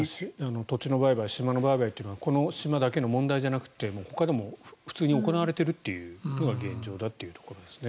土地の売買島の売買というのはこの島だけの問題じゃなくてほかでも普通に行われているというのが現状だというところですね。